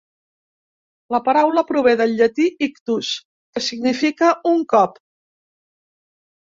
La paraula prové del llatí "ictus", que significa un cop.